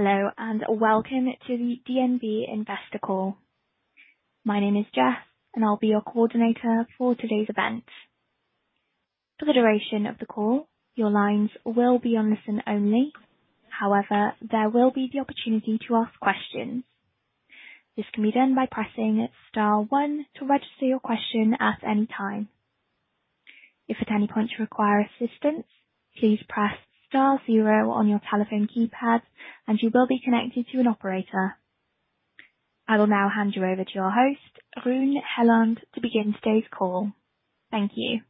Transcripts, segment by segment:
Hello, welcome to the DNB investor call. My name is Jess, and I'll be your coordinator for today's event. For the duration of the call, your lines will be on listen only. However, there will be the opportunity to ask questions. This can be done by pressing *1 to register your question at any time. If at any point you require assistance, please press *0 on your telephone keypad and you will be connected to an operator. I will now hand you over to your host, Rune Helland, to begin today's call. Thank you.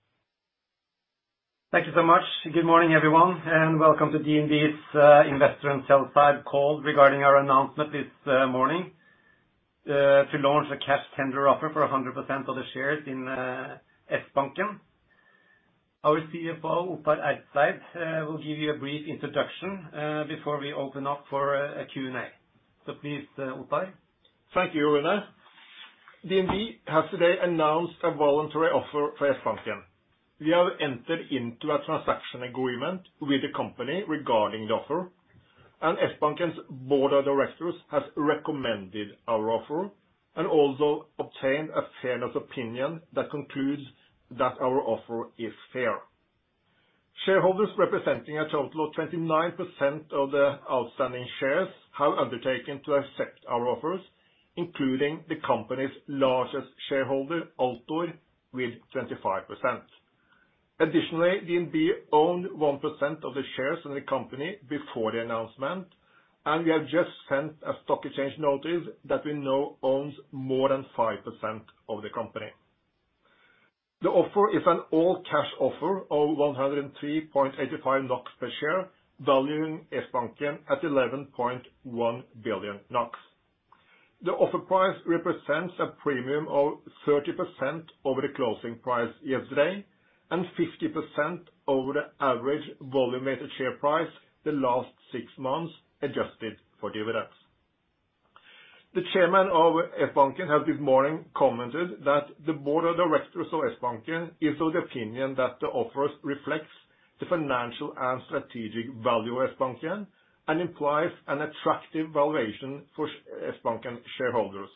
Thank you so much. Good morning, everyone, and welcome to DNB's Investor and Sell-Side Call regarding our announcement this morning, to launch a cash tender offer for 100% of the shares in Sbanken. Our CFO, Ottar Ertzeid, will give you a brief introduction, before we open up for a Q&A. Please, Ottar. Thank you, Rune. DNB has today announced a voluntary offer for Sbanken. We have entered into a transaction agreement with the company regarding the offer, and Sbanken's board of directors has recommended our offer and also obtained a fairness opinion that concludes that our offer is fair. Shareholders representing a total of 29% of the outstanding shares have undertaken to accept our offers, including the company's largest shareholder, Altor, with 25%. Additionally, DNB owned 1% of the shares in the company before the announcement, and we have just sent a stock exchange notice that we now owns more than 5% of the company. The offer is an all cash offer of 103.85 NOK per share, valuing Sbanken at 11.1 billion NOK. The offer price represents a premium of 30% over the closing price yesterday, and 50% over the average volume-weighted share price the last six months, adjusted for dividends. The chairman of Sbanken has this morning commented that the board of directors of Sbanken is of the opinion that the offer reflects the financial and strategic value of Sbanken and implies an attractive valuation for Sbanken shareholders.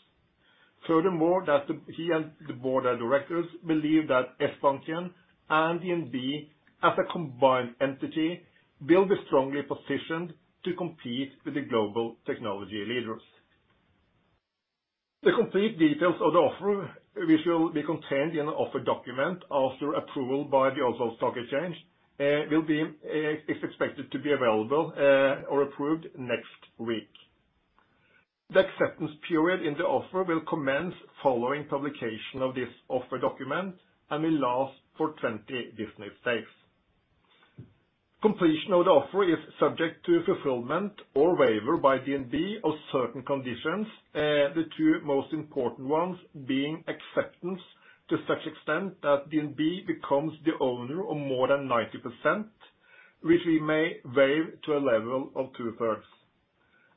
Furthermore, that he and the board of directors believe that Sbanken and DNB as a combined entity will be strongly positioned to compete with the global technology leaders. The complete details of the offer, which will be contained in the offer document after approval by the Oslo Stock Exchange, is expected to be available, or approved, next week. The acceptance period in the offer will commence following publication of this offer document and will last for 20 business days. Completion of the offer is subject to fulfillment or waiver by DNB of certain conditions, the two most important ones being acceptance to such extent that DNB becomes the owner of more than 90%, which we may waive to a level of two thirds,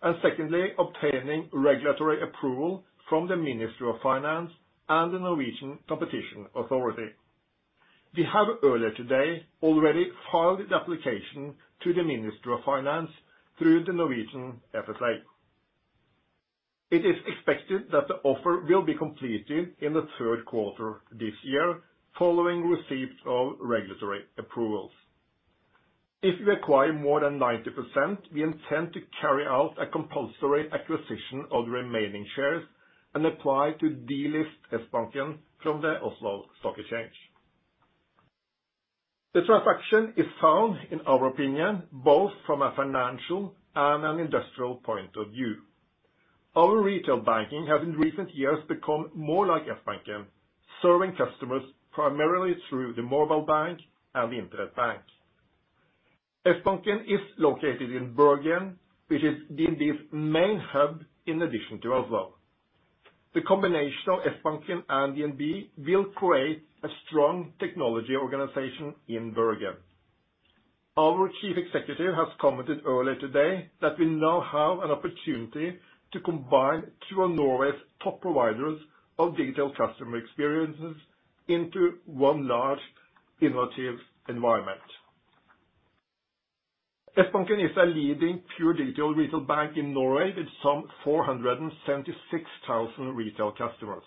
and secondly, obtaining regulatory approval from the Ministry of Finance and the Norwegian Competition Authority. We have earlier today already filed the application to the Ministry of Finance through the Norwegian FSA. It is expected that the offer will be completed in the third quarter this year following receipt of regulatory approvals. If we acquire more than 90%, we intend to carry out a compulsory acquisition of the remaining shares and apply to de-list Sbanken from the Oslo Stock Exchange. The transaction is found, in our opinion, both from a financial and an industrial point of view. Our retail banking has in recent years become more like Sbanken, serving customers primarily through the mobile bank and the internet bank. Sbanken is located in Bergen, which is DNB's main hub in addition to Oslo. The combination of Sbanken and DNB will create a strong technology organization in Bergen. Our chief executive has commented earlier today that we now have an opportunity to combine two of Norway's top providers of digital customer experiences into one large innovative environment. Sbanken is a leading pure digital retail bank in Norway with some 476,000 retail customers.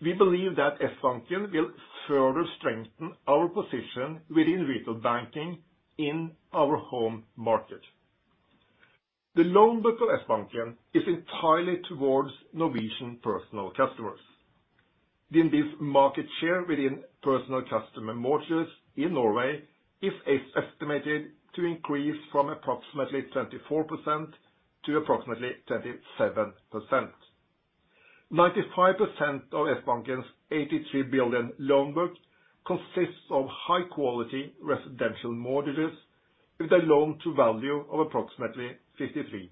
We believe that Sbanken will further strengthen our position within retail banking in our home market. The loan book of Sbanken is entirely towards Norwegian personal customers. DNB's market share within personal customer mortgages in Norway is estimated to increase from approximately 24% to approximately 27%. 95% of Sbanken's 83 billion loan book consists of high quality residential mortgages with a loan-to-value of approximately 53%.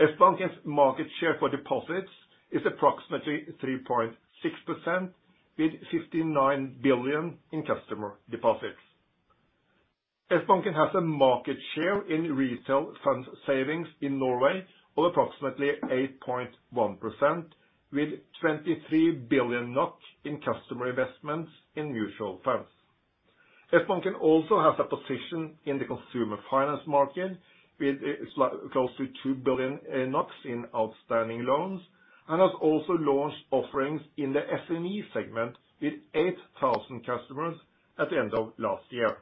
Sbanken's market share for deposits is approximately 3.6%, with 59 billion in customer deposits. Sbanken has a market share in retail fund savings in Norway of approximately 8.1%, with 23 billion NOK in customer investments in mutual funds. Sbanken also has a position in the consumer finance market with close to 2 billion NOK in outstanding loans, and has also launched offerings in the SME segment with 8,000 customers at the end of last year.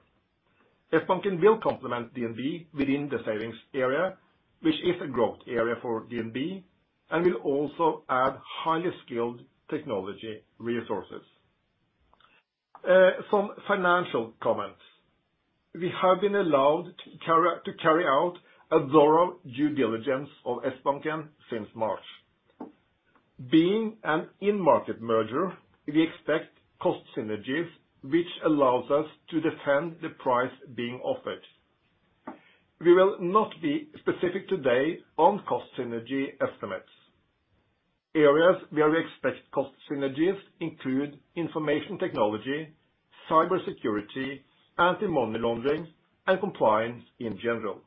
Sbanken will complement DNB within the savings area, which is a growth area for DNB, and will also add highly skilled technology resources. Some financial comments. We have been allowed to carry out a thorough due diligence of Sbanken since March. Being an in-market merger, we expect cost synergies, which allows us to defend the price being offered. We will not be specific today on cost synergy estimates. Areas where we expect cost synergies include information technology, cybersecurity, anti-money laundering, and compliance in general.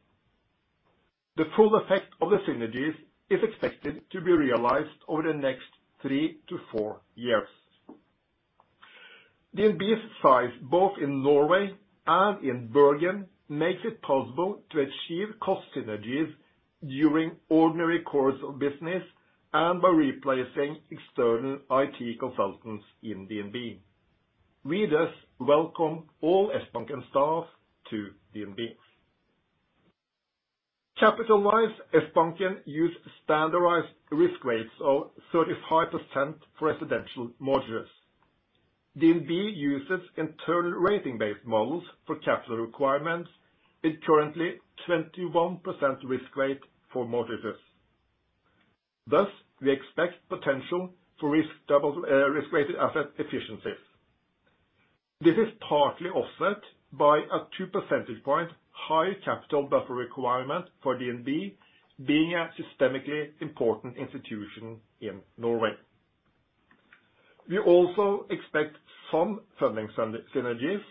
The full effect of the synergies is expected to be realized over the next three to four years. DNB's size, both in Norway and in Bergen, makes it possible to achieve cost synergies during ordinary course of business and by replacing external IT consultants in DNB. We, thus, welcome all Sbanken staff to DNB. Capital-wise, Sbanken use standardized risk weights of 35% for residential mortgages. DNB uses Internal Ratings-Based models for capital requirements with currently 21% risk weight for mortgages. Thus, we expect potential for risk-weighted asset efficiencies. This is partly offset by a two percentage point higher capital buffer requirement for DNB being a systemically important institution in Norway. We also expect some funding synergies,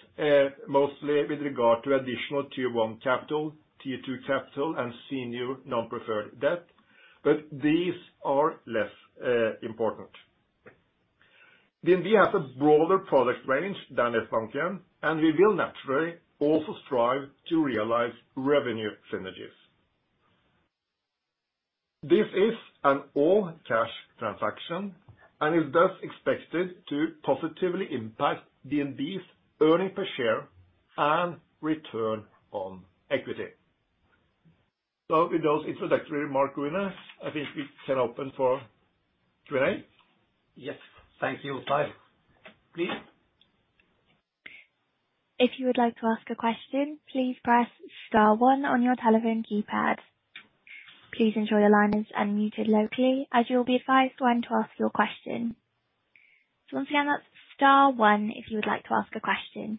mostly with regard to additional Tier 1 capital, Tier 2 capital, and Senior Non-Preferred Debt, but these are less important. DNB has a broader product range than Sbanken, and we will naturally also strive to realize revenue synergies. This is an all-cash transaction and is thus expected to positively impact DNB's earning per share and return on equity. With those introductory remarks, Rune, I think we can open for Q&A. Yes. Thank you, Ottar. Please. If you would like to ask a question, please press *1 on your telephone keypad. Please ensure the line is unmuted locally as you will be advised when to ask your question. Once again, that's *1 if you would like to ask a question.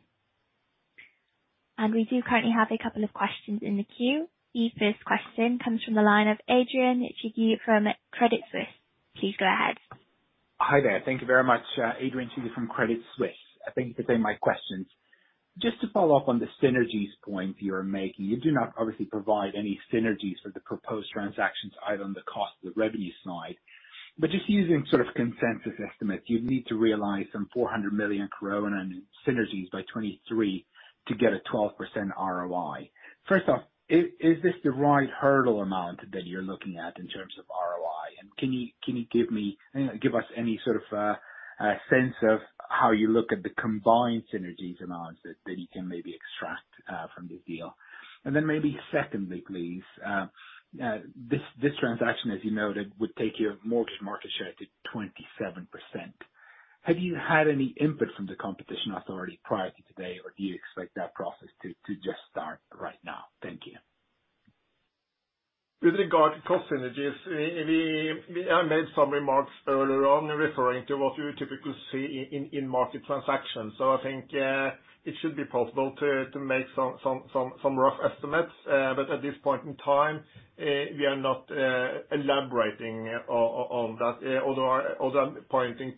We do currently have a couple of questions in the queue. The first question comes from the line of Adrian from Credit Suisse. Please go ahead. Hi there. Thank you very much. Adrian Cighi from Credit Suisse. Thank you for taking my questions. To follow up on the synergies point you're making. You do not obviously provide any synergies for the proposed transactions, either on the cost or the revenue side. Using consensus estimates, you'd need to realize some 400 million in synergies by 2023 to get a 12% ROI. First off, is this the right hurdle amount that you're looking at in terms of ROI? Can you give us any sense of how you look at the combined synergies amounts that you can maybe extract from this deal? Maybe secondly, please, this transaction, as you noted, would take your mortgage market share to 27%. Have you had any input from the Competition Authority prior to today, or do you expect that process to just start right now? Thank you. With regard to cost synergies, I made some remarks earlier on referring to what you would typically see in market transactions. I think it should be possible to make some rough estimates. At this point in time, we are not elaborating on that, although I'm pointing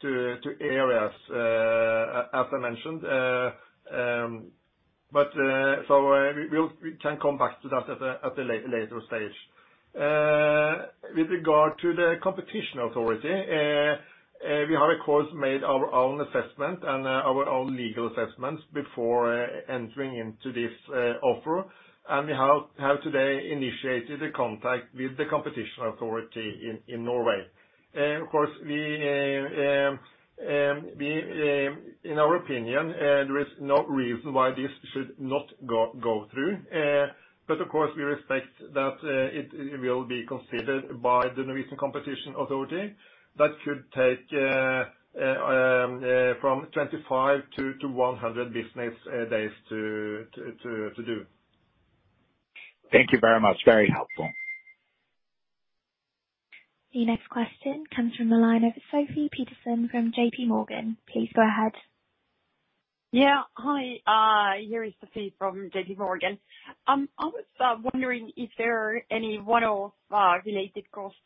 to areas, as I mentioned. We can come back to that at a later stage. With regard to the competition authority, we have, of course, made our own assessment and our own legal assessments before entering into this offer, and we have today initiated a contact with the Norwegian Competition Authority. Of course, in our opinion, there is no reason why this should not go through. Of course, we respect that it will be considered by the Norwegian Competition Authority. That should take from 25 to 100 business days to do. Thank you very much. Very helpful. The next question comes from the line of Sofie Peterzens from JPMorgan. Please go ahead. Yeah. Hi. You're Sofie from JPMorgan. I was wondering if there are any one-off related costs,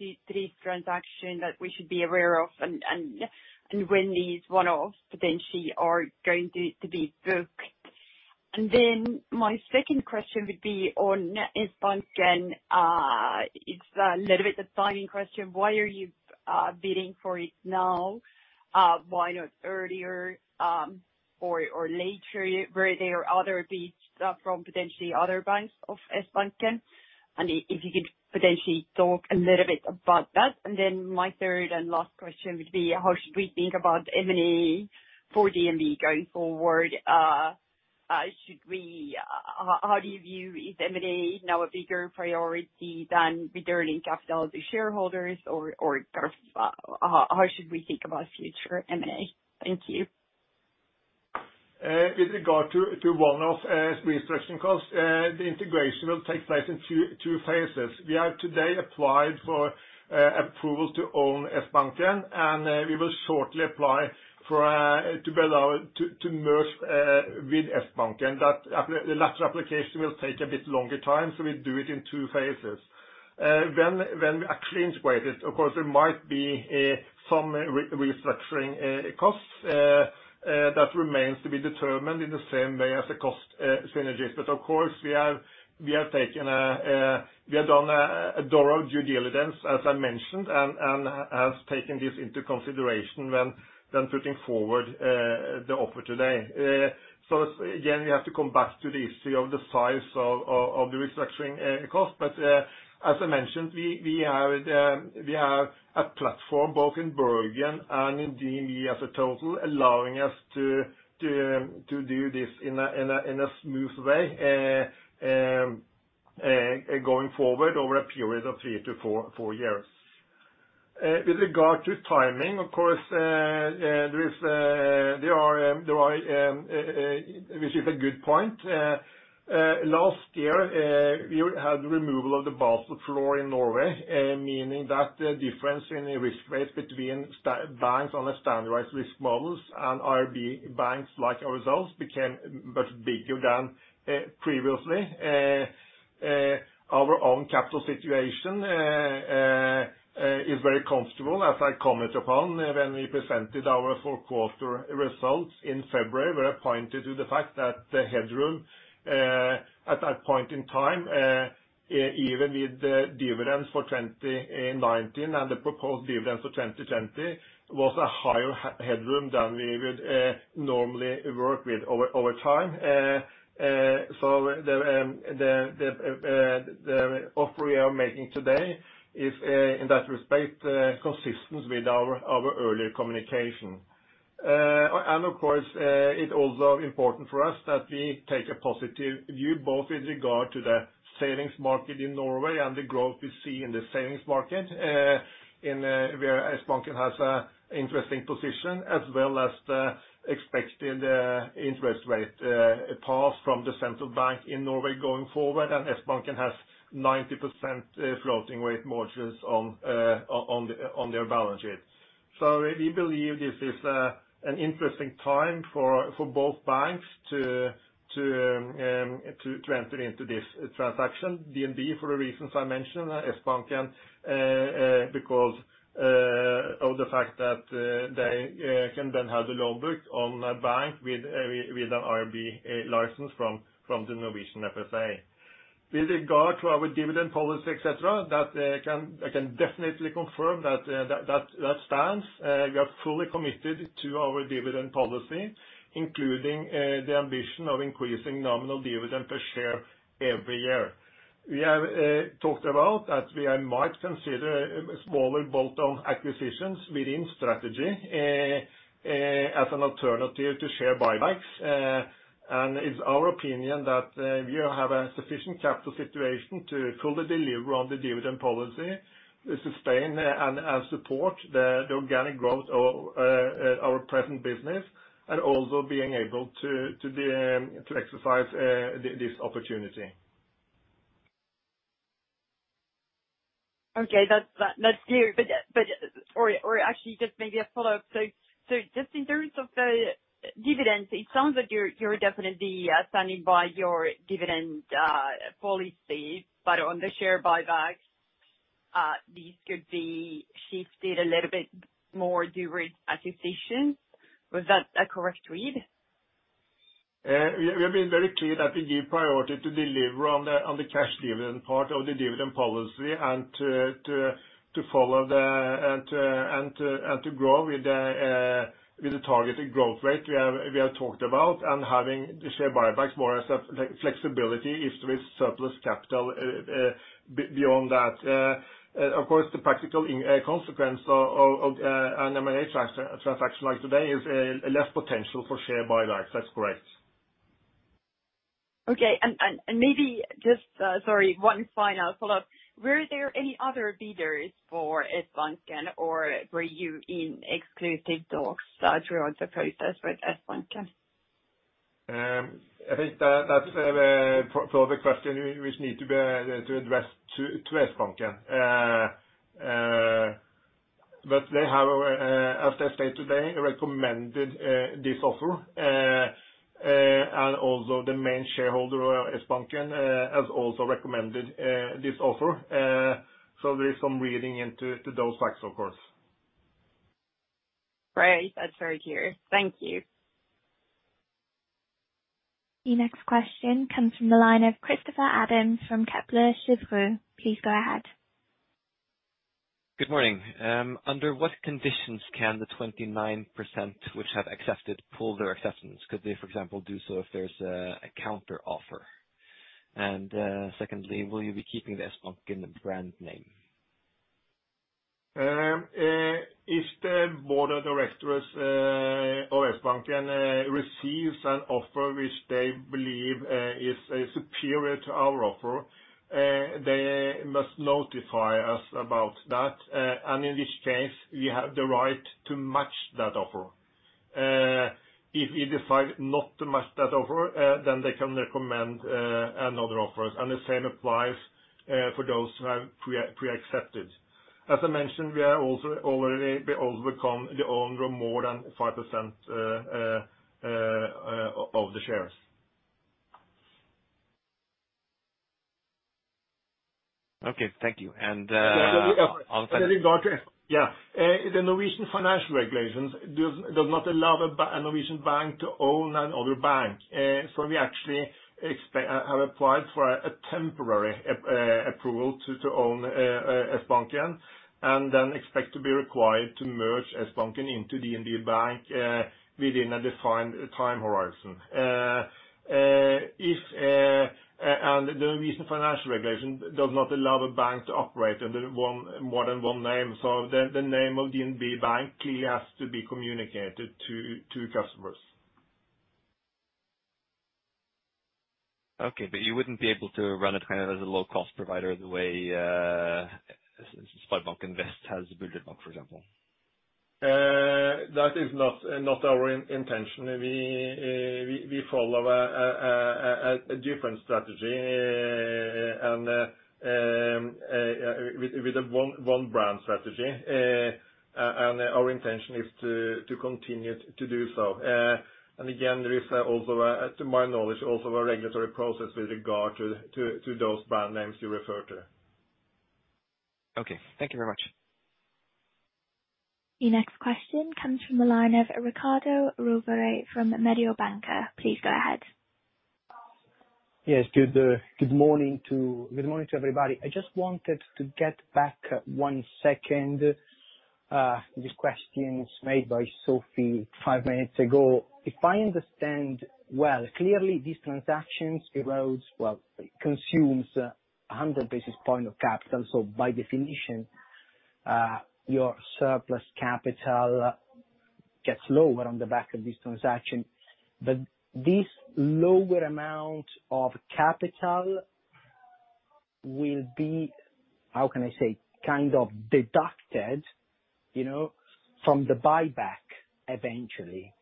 this transaction, that we should be aware of and when these one-offs potentially are going to be booked. My second question would be on Sbanken. It's a little bit of a timing question. Why are you bidding for it now? Why not earlier or later? Were there other bids from potentially other banks of Sbanken? If you could potentially talk a little bit about that. My third and last question would be, how should we think about M&A for DNB going forward? How do you view, is M&A now a bigger priority than returning capital to shareholders? How should we think about future M&A? Thank you. With regard to one-off restructuring costs, the integration will take place in two phases. We have today applied for approval to own Sbanken, and we will shortly apply to merge with Sbanken. The latter application will take a bit longer time, so we'll do it in two phases. When we actually integrate it, of course, there might be some restructuring costs. That remains to be determined in the same way as the cost synergies. Of course, we have done a thorough due diligence, as I mentioned, and have taken this into consideration when putting forward the offer today. Again, we have to come back to the issue of the size of the restructuring cost. As I mentioned, we have a platform both in Bergen and in DNB as a total, allowing us to do this in a smooth way, going forward over a period of three to four years. With regard to timing, of course, which is a good point, last year, we had removal of the Basel floor in Norway, meaning that the difference in risk weights between banks on the standardized risk models and IRB banks like ourselves became much bigger than previously. Our own capital situation is very comfortable, as I commented upon when we presented our Q4 results in February. Where I pointed to the fact that the headroom, at that point in time, even with the dividends for 2019 and the proposed dividends for 2020, was a higher headroom than we would normally work with over time. The offer we are making today is, in that respect, consistent with our earlier communication. Of course, it's also important for us that we take a positive view, both with regard to the savings market in Norway and the growth we see in the savings market, where Sbanken has an interesting position, as well as the expected interest rate path from the central bank in Norway going forward, and Sbanken has 90% floating rate mortgages on their balance sheet. We believe this is an interesting time for both banks to enter into this transaction. DNB, for the reasons I mentioned, Sbanken because of the fact that they can then have the loan book on a bank with an IRB license from the Norwegian FSA. With regard to our dividend policy, et cetera, I can definitely confirm that that stands. We are fully committed to our dividend policy, including the ambition of increasing nominal dividend per share every year. We have talked about that we might consider smaller bolt-on acquisitions within strategy as an alternative to share buybacks. It's our opinion that we have a sufficient capital situation to fully deliver on the dividend policy, sustain and support the organic growth of our present business, and also being able to exercise this opportunity. Okay. That's clear. Actually, just maybe a follow-up. Just in terms of the dividends, it sounds like you're definitely standing by your dividend policy. On the share buybacks, this could be shifted a little bit more towards acquisitions. Was that a correct read? We have been very clear that we give priority to deliver on the cash dividend part of the dividend policy and to follow and to grow with the targeted growth rate we have talked about and having the share buybacks more as a flexibility if there is surplus capital beyond that. Of course, the practical consequence of an M&A transaction like today is less potential for share buybacks. That's correct. Okay. Maybe just, sorry, one final follow-up. Were there any other bidders for Sbanken, or were you in exclusive talks throughout the process with Sbanken? I think that's a public question which needs to be addressed to Sbanken. They have, as I said today, recommended this offer. Also the main shareholder of Sbanken has also recommended this offer. There is some reading into those facts, of course. Great. That's very clear. Thank you. Your next question comes from the line of Christopher Adams from Kepler Cheuvreux. Please go ahead. Good morning. Under what conditions can the 29%, which have accepted, pull their acceptance? Could they, for example, do so if there's a counteroffer? Secondly, will you be keeping the Sbanken brand name? If the board of directors of Sbanken receives an offer which they believe is superior to our offer, they must notify us about that. In this case, we have the right to match that offer. If we decide not to match that offer, then they can recommend another offer. The same applies for those who have pre-accepted. As I mentioned, we have already become the owner of more than 5% of the shares. Okay. Thank you. The Norwegian financial regulations does not allow a Norwegian bank to own another bank. We actually have applied for a temporary approval to own Sbanken, and then expect to be required to merge Sbanken into DNB Bank, within a defined time horizon. The recent financial regulation does not allow a bank to operate under more than one name. The name of DNB Bank clearly has to be communicated to customers. Okay. you wouldn't be able to run it kind of as a low-cost provider the way Sparebanken Vest has Bulder Bank, for example. That is not our intention. We follow a different strategy, with a one-brand strategy. Our intention is to continue to do so. Again, there is also, to my knowledge, also a regulatory process with regard to those brand names you refer to. Okay. Thank you very much. Your next question comes from the line of Riccardo Rovere from Mediobanca. Please go ahead. Yes. Good morning to everybody. I just wanted to get back one second. This question is made by Sofie five minutes ago. If I understand well, clearly this transaction erodes, well, it consumes 100 basis point of capital. By definition, your surplus capital gets lower on the back of this transaction. This lower amount of capital will be, how can I say, kind of deducted from the buyback eventually,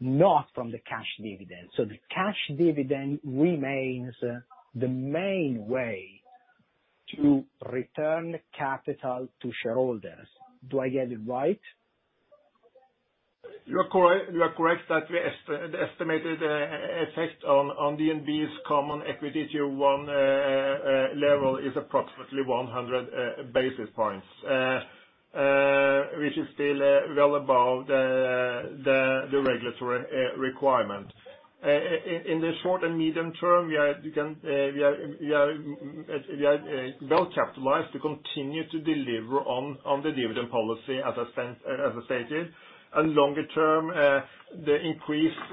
not from the cash dividend. The cash dividend remains the main way to return capital to shareholders. Do I get it right? You are correct that the estimated effect on DNB's Common Equity Tier 1 level is approximately 100 basis points, which is still well above the regulatory requirement. In the short and medium term, we are well-capitalized to continue to deliver on the dividend policy, as I stated. Longer term, the increased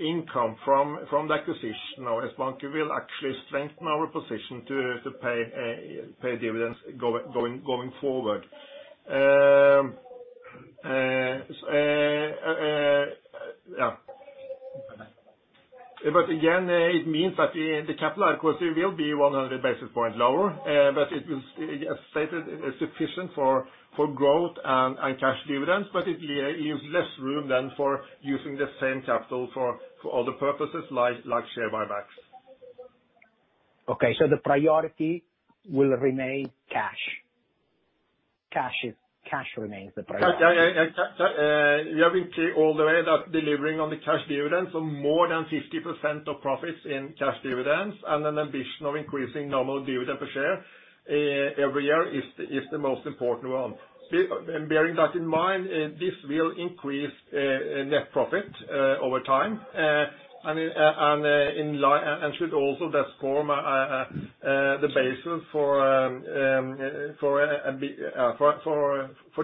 income from the acquisition of Sbanken will actually strengthen our position to pay dividends going forward. Again, it means that the capital, of course, it will be 100 basis point lower, but it will, as stated, is sufficient for growth and cash dividends. It leaves less room then for using the same capital for other purposes like share buybacks. Okay. The priority will remain cash. Cash remains the priority. We have been clear all the way that delivering on the cash dividends on more than 50% of profits in cash dividends, and an ambition of increasing normal dividend per share every year is the most important one. Bearing that in mind, this will increase net profit over time. Should also just form the basis for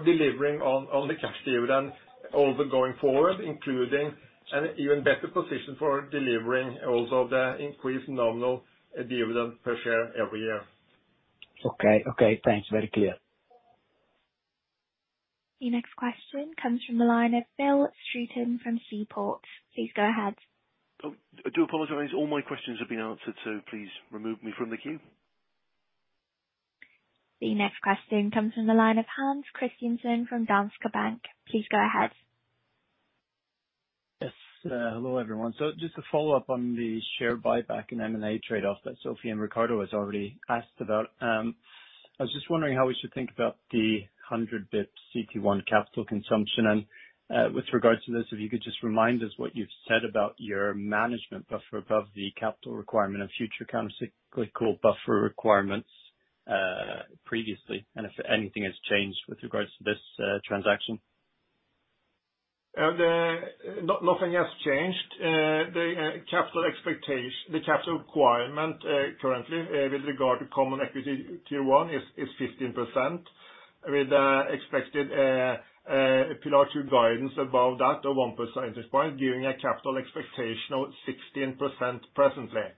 delivering on the cash dividend also going forward, including an even better position for delivering also the increased nominal dividend per share every year. Okay. Thanks. Very clear. Your next question comes from the line of Phil Streeton from SeaPort. Please go ahead. I do apologize. All my questions have been answered, so please remove me from the queue. The next question comes from the line of Hans Christiansen from Danske Bank. Please go ahead. Yes. Hello, everyone. Just to follow up on the share buyback and M&A trade-off that Sofie and Riccardo has already asked about. I was just wondering how we should think about the 100 basis point CET1 capital consumption. With regards to this, if you could just remind us what you've said about your management buffer above the capital requirement of future countercyclical buffer requirements previously, and if anything has changed with regards to this transaction. Nothing has changed. The capital requirement currently with regard to Common Equity Tier 1 is 15%, with expected Pillar 2 guidance above that of 1 percentage point, giving a capital expectation of 16% presently.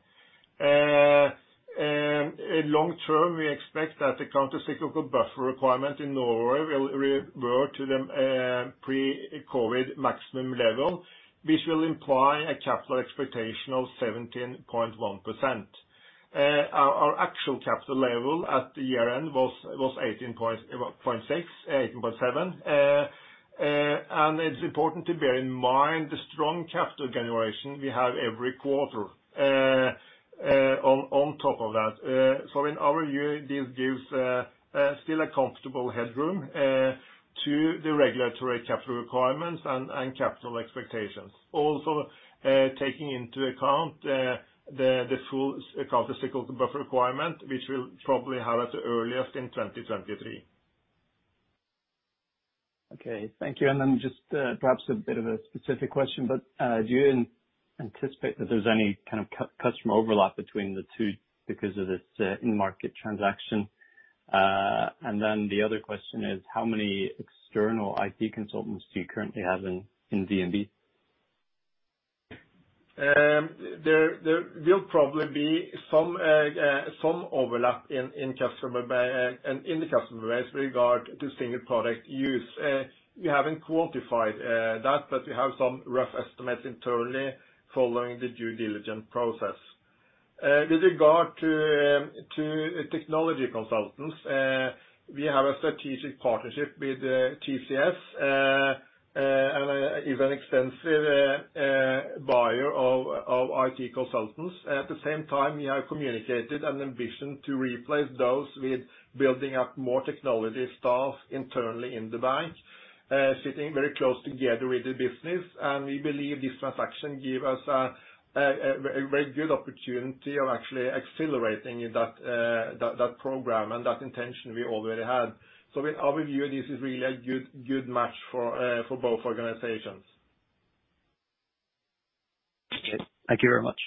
In long term, we expect that the countercyclical buffer requirement in Norway will revert to the pre-COVID maximum level, which will imply a capital expectation of 17.1%. Our actual capital level at the year-end was 18.6, 18.7. It's important to bear in mind the strong capital generation we have every quarter on top of that. In our view, this gives still a comfortable headroom to the regulatory capital requirements and capital expectations. Also, taking into account the full countercyclical buffer requirement, which we'll probably have at the earliest in 2023. Okay. Thank you. Just perhaps a bit of a specific question, do you anticipate that there's any kind of customer overlap between the two because of this in-market transaction? The other question is, how many external IT consultants do you currently have in DNB? There will probably be some overlap in the customer base with regard to single product use. We haven't quantified that, but we have some rough estimates internally following the due diligence process. With regard to technology consultants, we have a strategic partnership with TCS, and is an extensive buyer of IT consultants. At the same time, we have communicated an ambition to replace those with building up more technology staff internally in the bank, sitting very close together with the business. We believe this transaction give us a very good opportunity of actually accelerating that program and that intention we already had. In our view, this is really a good match for both organizations. Okay. Thank you very much.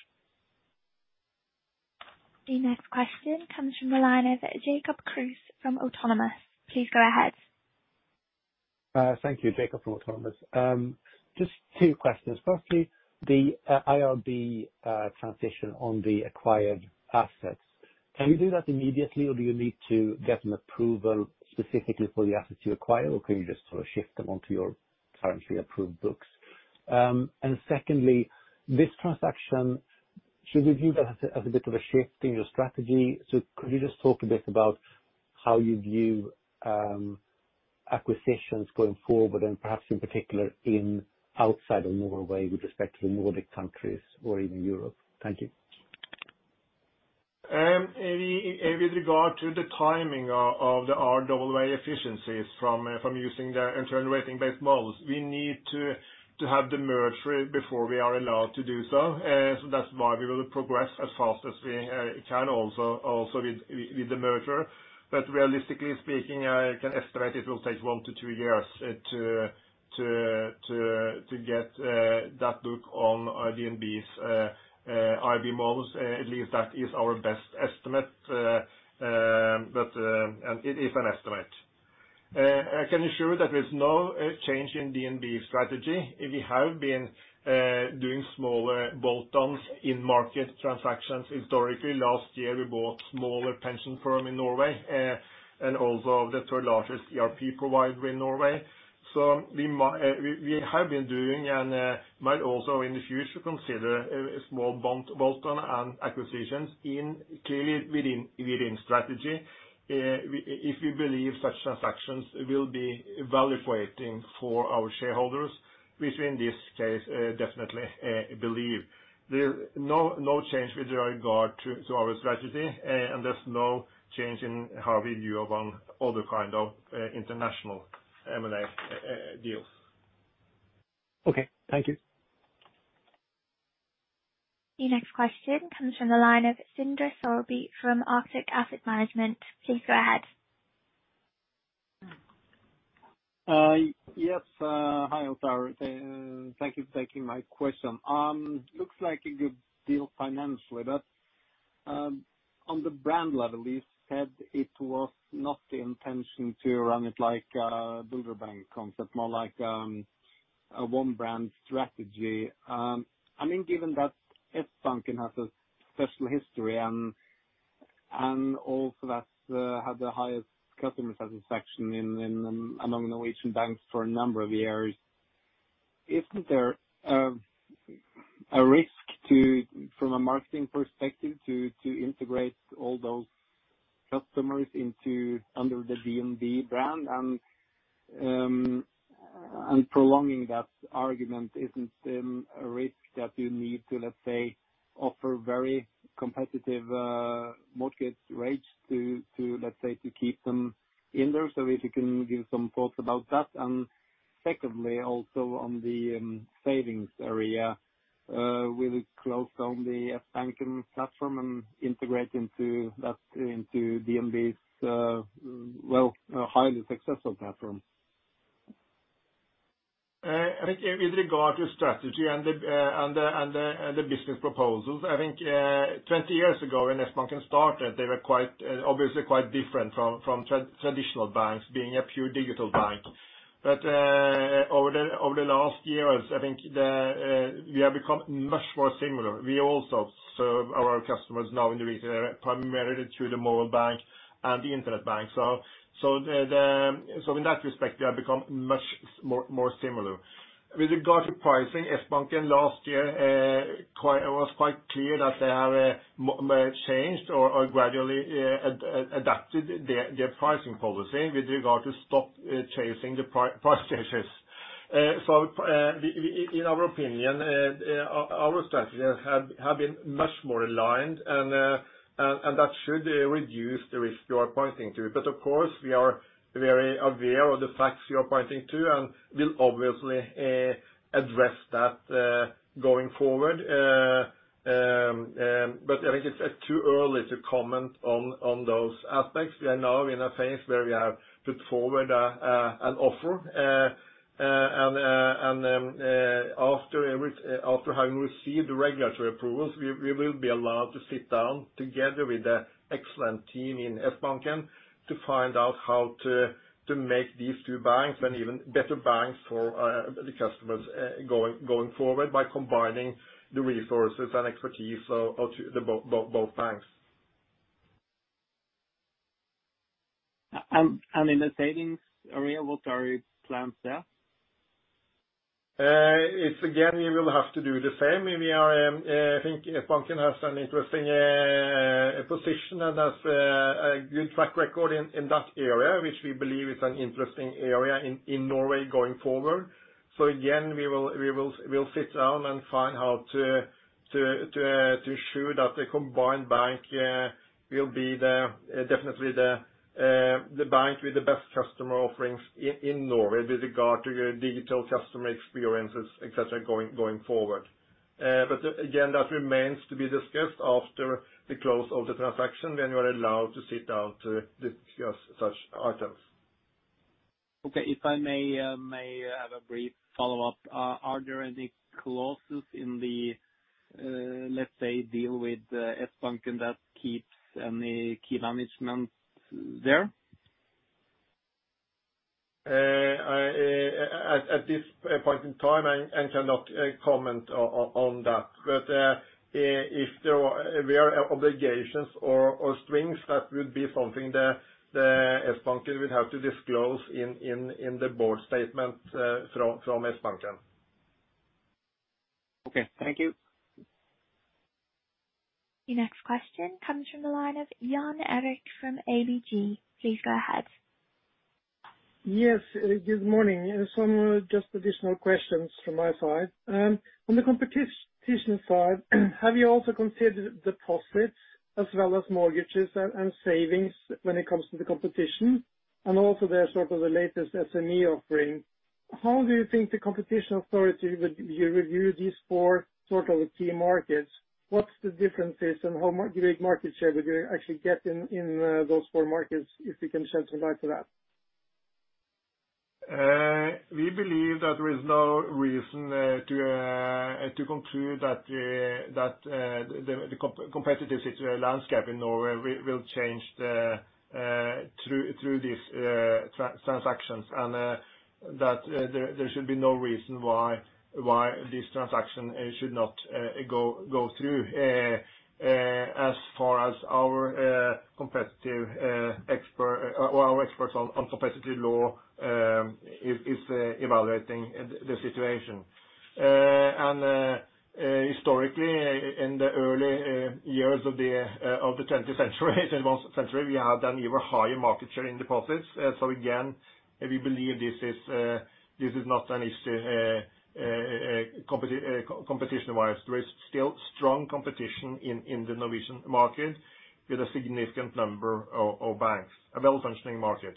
The next question comes from the line of Jacob Kruse from Autonomous. Please go ahead. Thank you. Jacob from Autonomous. Just two questions. Firstly, the IRB transition on the acquired assets. Can you do that immediately, or do you need to get an approval specifically for the assets you acquire, or can you just sort of shift them onto your currently approved books? Secondly, this transaction, should we view that as a bit of a shift in your strategy? Could you just talk a bit about how you view acquisitions going forward, and perhaps in particular in outside of Norway with respect to the Nordic countries or even Europe? Thank you. With regard to the timing of the RWA efficiencies from using the internal rating base models, we need to have the merger before we are allowed to do so. That's why we will progress as fast as we can also with the merger. Realistically speaking, I can estimate it will take one to two years to get that book on DNB's IRB models. At least that is our best estimate, and it is an estimate. I can assure you that there's no change in DNB's strategy. We have been doing smaller bolt-ons in-market transactions historically. Last year, we bought smaller pension firm in Norway, and also the third largest ERP provider in Norway. We have been doing and might also in the future consider a small bolt-on and acquisitions clearly within strategy, if we believe such transactions will be value creating for our shareholders, which in this case, definitely believe. There's no change with regard to our strategy, and there's no change in how we view among other kind of international M&A deals. Okay. Thank you. The next question comes from the line of Sindre Sørbye from Arctic Asset Management. Please go ahead. Yes. Hi, Ottar. Thank you for taking my question. Looks like a good deal financially, but on the brand level, you said it was not the intention to run it like a DNB Bank concept, more like a one brand strategy. Given that Sbanken has a special history and also that had the highest customer satisfaction among Norwegian banks for a number of years, isn't there a risk from a marketing perspective to integrate all those customers under the DNB brand? prolonging that argument, isn't a risk that you need to, let's say, offer very competitive mortgage rates, let's say, to keep them in there? if you can give some thoughts about that. Secondly, also on the savings area, will it close down the Sbanken platform and integrate into DNB's highly successful platform? I think with regard to strategy and the business proposals, I think, 20 years ago when Sbanken started, they were obviously quite different from traditional banks, being a pure digital bank. Over the last years, I think we have become much more similar. We also serve our customers now in the retail, primarily through the mobile bank and the internet bank. In that respect, we have become much more similar. With regard to pricing, Sbanken last year, it was quite clear that they have changed or gradually adapted their pricing policy with regard to stop chasing the price changes. In our opinion, our strategies have been much more aligned and that should reduce the risk you are pointing to. Of course, we are very aware of the facts you are pointing to, and we'll obviously address that going forward. I think it's too early to comment on those aspects. We are now in a phase where we have put forward an offer. After having received the regulatory approvals, we will be allowed to sit down together with the excellent team in Sbanken to find out how to make these two banks even better banks for the customers going forward by combining the resources and expertise of both banks. In the savings area, what are plans there? It's again, we will have to do the same. I think Sbanken has an interesting position and has a good track record in that area, which we believe is an interesting area in Norway going forward. Again, we'll sit down and find how to ensure that the combined bank will be definitely the bank with the best customer offerings in Norway with regard to digital customer experiences, et cetera, going forward. Again, that remains to be discussed after the close of the transaction, when we are allowed to sit down to discuss such items. Okay. If I may have a brief follow-up. Are there any clauses in the, let's say, deal with Sbanken that keeps any key management there? At this point in time, I cannot comment on that. If there were obligations or strings, that would be something that Sbanken will have to disclose in the board statement from Sbanken. Okay. Thank you. Your next question comes from the line of Jan Erik from ABG. Please go ahead. Yes. Good morning. Some just additional questions from my side. On the competition side, have you also considered deposits as well as mortgages and savings when it comes to the competition? Also their sort of the latest SME offering. How do you think the competition authority would review these four sort of key markets? What's the differences and how much great market share we're going to actually get in those four markets, if you can shed some light to that? We believe that there is no reason to conclude that the competitive landscape in Norway will change through these transactions and that there should be no reason why this transaction should not go through as far as our experts on competitive law is evaluating the situation. Historically, in the early years of the 20th century we have done even higher market share in deposits. Again, we believe this is not an issue competition-wise. There is still strong competition in the Norwegian market with a significant number of banks, a well-functioning market.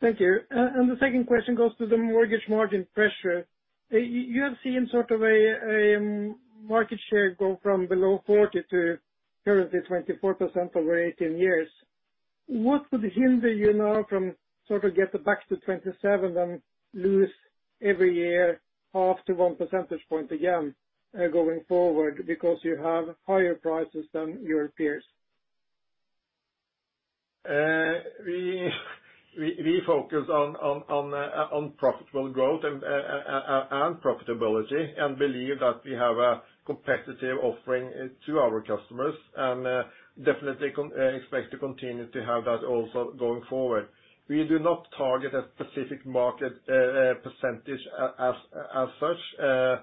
Thank you. The second question goes to the mortgage margin pressure. You have seen sort of a market share go from below 40% to currently 24% over 18 years. What would hinder you now from sort of get back to 27% then lose every year half to one percentage point again going forward because you have higher prices than your peers? We focus on profitable growth and profitability and believe that we have a competitive offering to our customers and definitely expect to continue to have that also going forward. We do not target a specific market percentage as such. I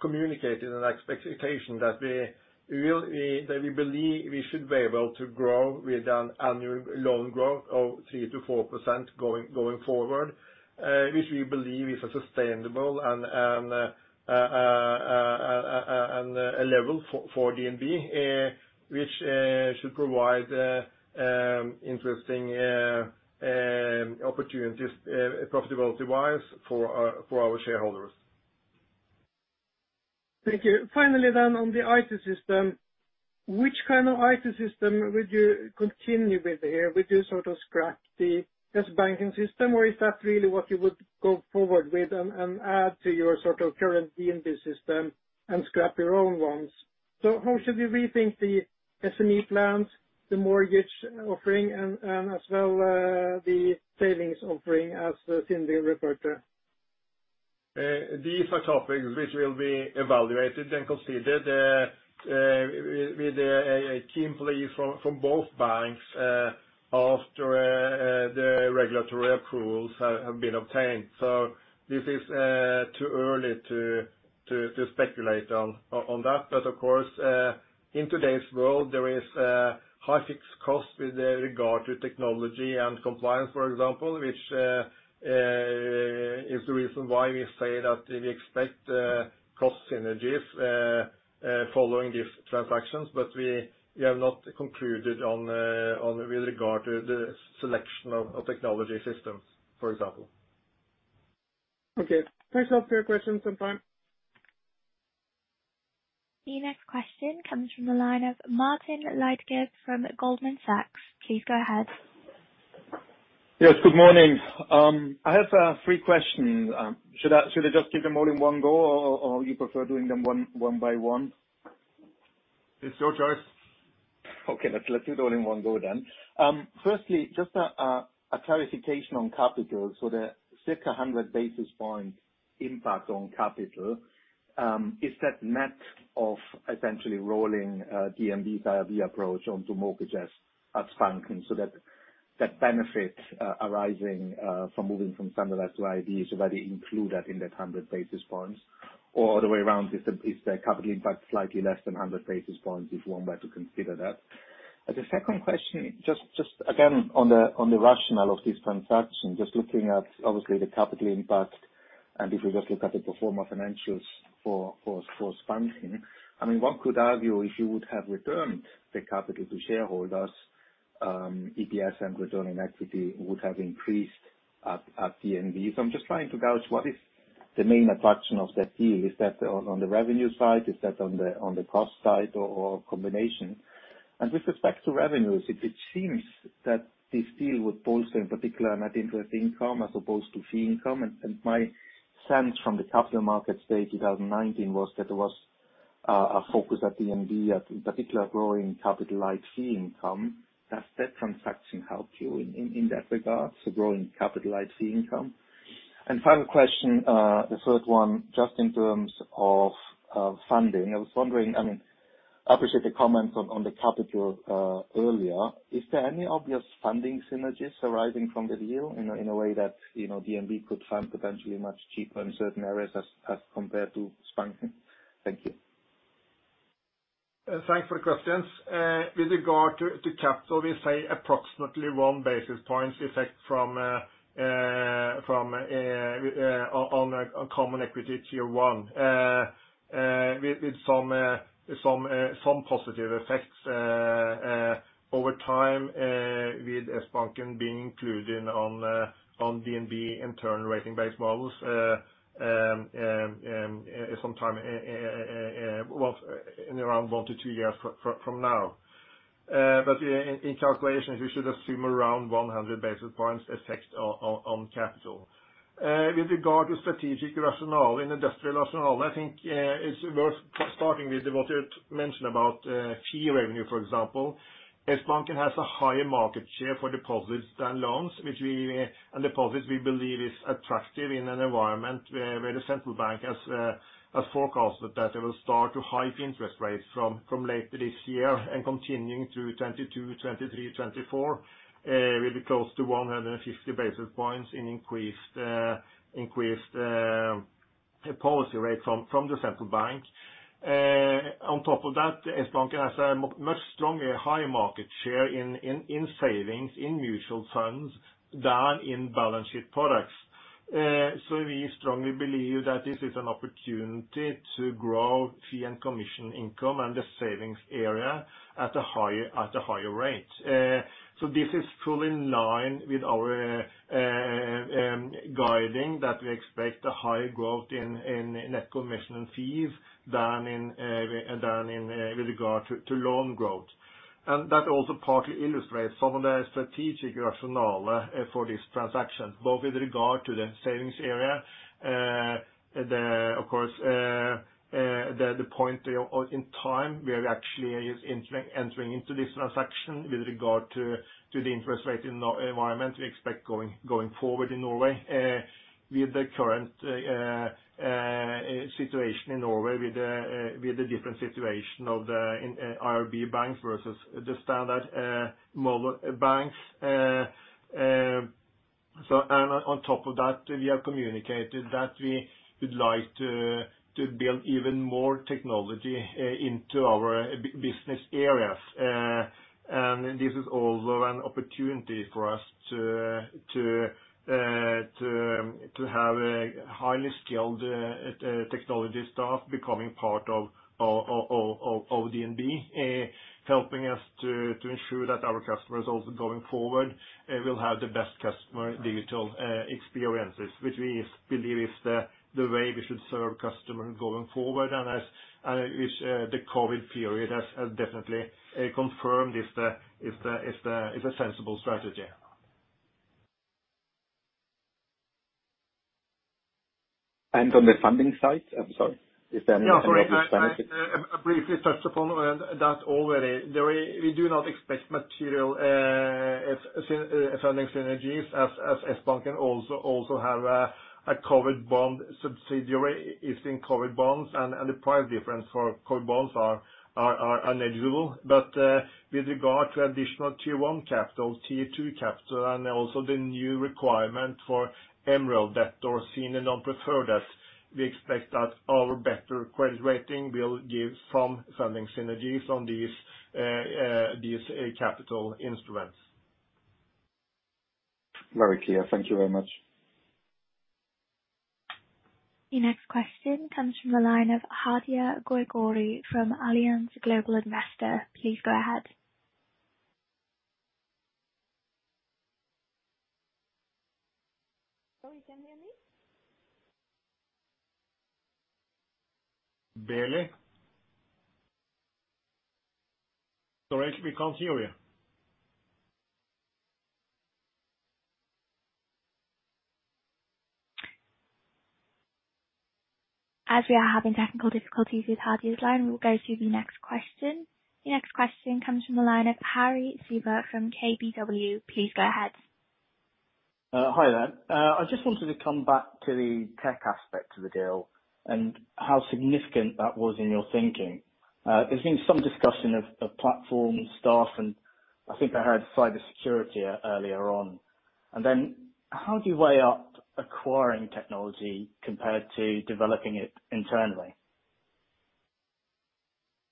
communicated an expectation that we believe we should be able to grow with an annual loan growth of 3%-4% going forward, which we believe is a sustainable and a level for DNB, which it should provide interesting opportunities profitability-wise for our shareholders. Thank you. Finally, on the IT system, which kind of IT system would you continue with here? Would you scrap the Sbanken system, or is that really what you would go forward with and add to your current DNB system and scrap your own ones? How should we rethink the SME plans, the mortgage offering, and as well, the savings offering, as Sindre referred to? These are topics which will be evaluated and considered with a joint team from both banks after the regulatory approvals have been obtained. This is too early to speculate on that. Of course, in today's world, there is a high fixed cost with regard to technology and compliance, for example, which is the reason why we say that we expect cost synergies following these transactions. We have not concluded with regard to the selection of technology systems, for example. Okay. Thanks a lot for your questions so far. The next question comes from the line of Martin Leitgeb from Goldman Sachs. Please go ahead. Yes, good morning. I have three questions. Should I just give them all in one go, or you prefer doing them one by one? It's your choice. Let's do it all in one go. Just a clarification on capital. The 100 basis point impact on capital, is that net of essentially rolling DNB's IRB approach onto mortgages at Sbanken so that benefit arising from moving from standard to IRB is already included in that 100 basis points? Other way around, is the capital impact slightly less than 100 basis points if one were to consider that? The second question, just again, on the rationale of this transaction, just looking at, obviously, the capital impact, if we just look at the pro forma financials for Sbanken, one could argue if you would have returned the capital to shareholders, EPS and return on equity would have increased at DNB. I'm just trying to gauge what is the main attraction of that deal. Is that on the revenue side, is that on the cost side or a combination? With respect to revenues, it seems that this deal would bolster, in particular, net interest income as opposed to fee income. My sense from the capital markets day 2019 was that there was a focus at DNB, in particular, growing capitalized fee income. Does that transaction help you in that regard to growing capitalized fee income? Final question, the third one, just in terms of funding. I appreciate the comments on the capital earlier. Is there any obvious funding synergies arising from the deal in a way that DNB could fund potentially much cheaper in certain areas as compared to Sbanken? Thank you. Thanks for the questions. With regard to capital, we say approximately 1 basis point effect on a Common Equity Tier 1, with some positive effects over time, with Sbanken being included on DNB Internal Ratings-Based models sometime in around one to two years from now. In calculations, we should assume around 100 basis points effect on capital. With regard to strategic rationale and industrial rationale, I think it's worth starting with what you mentioned about fee revenue, for example. Sbanken has a higher market share for deposits than loans, and deposits we believe is attractive in an environment where the central bank has forecasted that it will start to hike interest rates from later this year and continuing through 2022, 2023, 2024, will be close to 150 basis points in increased policy rate from the central bank. On top of that, Sbanken has a much stronger higher market share in savings, in mutual funds, than in balance sheet products. We strongly believe that this is an opportunity to grow fee and commission income in the savings area at a higher rate. This is fully in line with our guiding that we expect a higher growth in net commission and fees than with regard to loan growth. That also partly illustrates some of the strategic rationale for this transaction, both with regard to the savings area, of course, the point in time we are actually entering into this transaction with regard to the interest rate environment we expect going forward in Norway with the current situation in Norway, with the different situation of the IRB banks versus the standard banks. On top of that, we have communicated that we would like to build even more technology into our business areas. This is also an opportunity for us to have a highly skilled technology staff becoming part of DNB, helping us to ensure that our customers also going forward, will have the best customer digital experiences, which we believe is the way we should serve customers going forward. As which the COVID period has definitely confirmed is a sensible strategy. On the funding side, I'm sorry. Is there any- I briefly touched upon that already. We do not expect material funding synergies as Sbanken also have a covered bond subsidiary issuing covered bonds and the price difference for covered bonds are negligible. With regard to additional Tier 1 capital, Tier 2 capital, and also the new requirement for MREL debt or Senior Non-Preferred Debt, we expect that our better credit rating will give some funding synergies on these capital instruments. Very clear. Thank you very much. The next question comes from the line of an Analyst from Allianz Global Investors. Please go ahead. Hello, you can hear me? Barely. Sorry, we can't hear you. As we are having technical difficulties with Analyst's line, we'll go to the next question. The next question comes from the line of Hari Sivakumaran from KBW. Please go ahead. Hi there. I just wanted to come back to the tech aspect of the deal and how significant that was in your thinking. There's been some discussion of platform staff. I think I heard cybersecurity earlier on. How do you weigh up acquiring technology compared to developing it internally?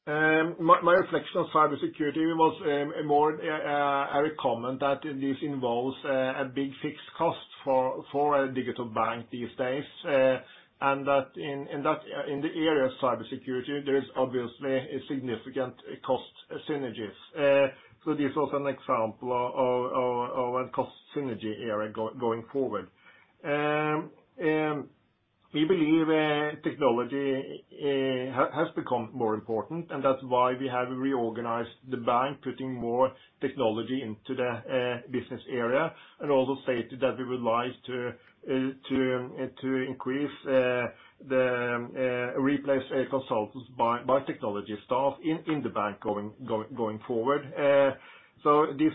My reflection on cybersecurity was more, I would comment that this involves a big fixed cost for a digital bank these days. That in the area of cybersecurity, there is obviously a significant cost synergies. This was an example of a cost synergy area going forward. We believe technology has become more important, and that's why we have reorganized the bank, putting more technology into the business area, and also stated that we would like to increase the replace consultants by technology staff in the bank going forward. This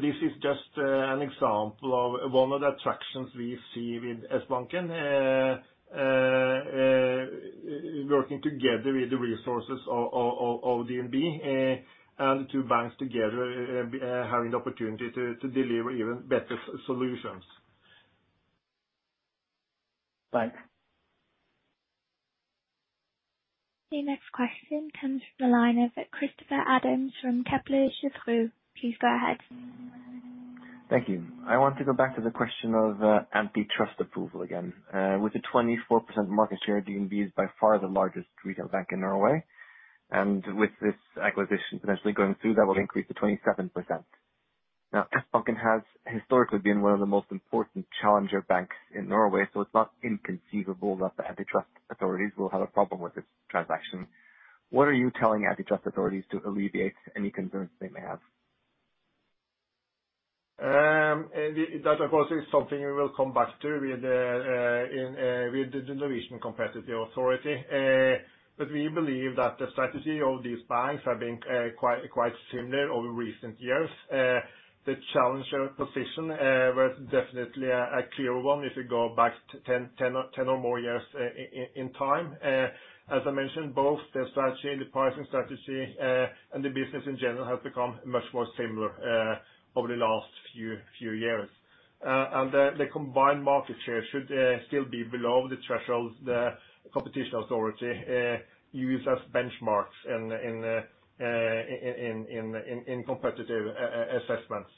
is just an example of one of the attractions we see with Sbanken working together with the resources of DNB, and two banks together having the opportunity to deliver even better solutions. Thanks. The next question comes from the line of Christopher Adams from Kepler Cheuvreux. Please go ahead. Thank you. I want to go back to the question of antitrust approval again. With a 24% market share, DNB is by far the largest retail bank in Norway, and with this acquisition potentially going through, that will increase to 27%. Sbanken has historically been one of the most important challenger banks in Norway. It's not inconceivable that the antitrust authorities will have a problem with this transaction. What are you telling antitrust authorities to alleviate any concerns they may have? That, of course, is something we will come back to with the Norwegian Competition Authority. We believe that the strategy of these banks have been quite similar over recent years. The challenger position was definitely a clear one if you go back 10 or more years in time. As I mentioned, both the strategy, the pricing strategy, and the business in general has become much more similar over the last few years. The combined market share should still be below the thresholds the Competition Authority use as benchmarks in competitive assessments.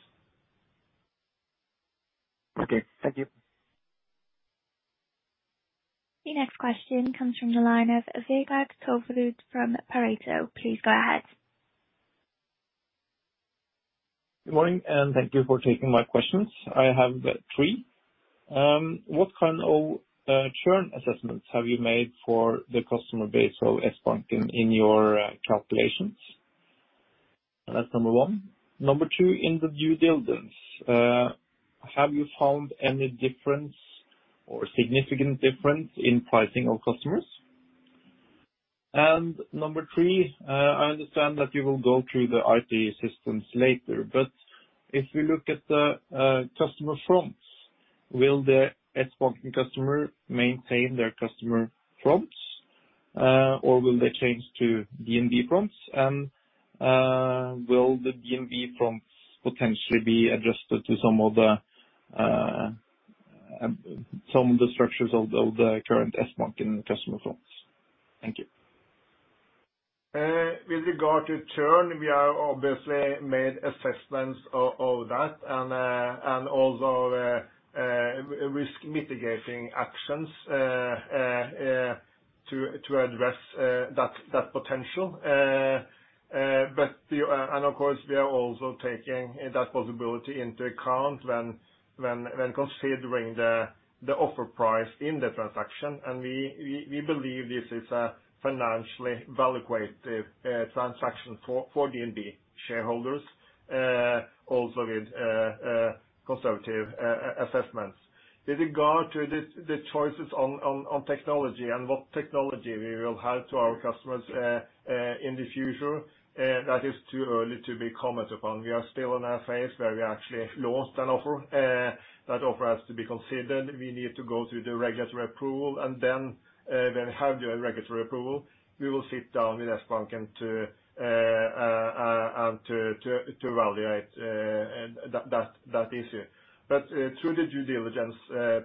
Okay. Thank you. The next question comes from the line of Vegard Toverud from Pareto. Please go ahead. Good morning. Thank you for taking my questions. I have three. What kind of churn assessments have you made for the customer base of Sbanken in your calculations? That's number 1. Number 2, in the due diligence, have you found any difference or significant difference in pricing of customers? Number 3, I understand that you will go through the IT systems later, but if we look at the customer fronts, will the Sbanken customer maintain their customer fronts? Will they change to DNB fronts? Will the DNB fronts potentially be adjusted to some of the structures of the current Sbanken customer fronts? Thank you. With regard to churn, we have obviously made assessments of that and all our risk mitigating actions to address that potential. Of course, we are also taking that possibility into account when considering the offer price in the transaction. We believe this is a financially valuative transaction for DNB shareholders, also with conservative assessments. With regard to the choices on technology and what technology we will have to our customers in the future, that is too early to be commented upon. We are still in a phase where we actually launched an offer. That offer has to be considered. We need to go through the regulatory approval and then when we have the regulatory approval, we will sit down with Sbanken to evaluate that issue. Through the due diligence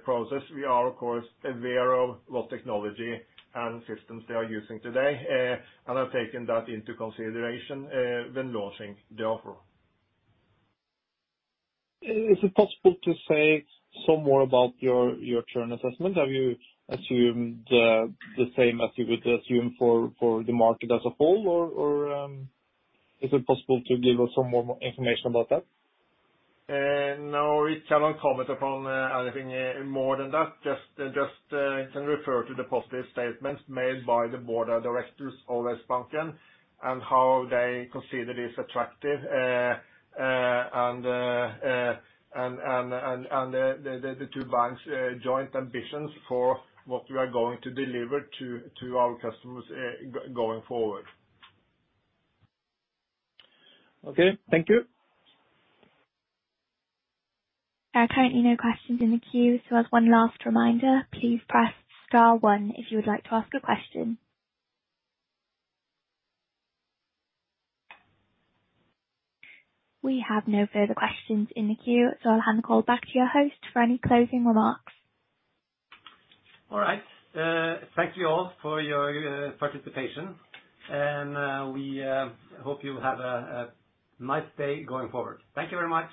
process, we are of course aware of what technology and systems they are using today, and have taken that into consideration when launching the offer. Is it possible to say some more about your churn assessment? Have you assumed the same as you would assume for the market as a whole, or is it possible to give us some more information about that? We cannot comment upon anything more than that. We can refer to the positive statements made by the board of directors of S Bank and how they consider this attractive, and the two banks' joint ambitions for what we are going to deliver to our customers going forward. Okay. Thank you. There are currently no questions in the queue, so as one last reminder, please press *1 if you would like to ask a question. We have no further questions in the queue, so I'll hand the call back to your host for any closing remarks. All right. Thank you all for your participation. We hope you have a nice day going forward. Thank you very much.